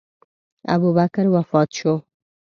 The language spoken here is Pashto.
ابوبکر وفات شو.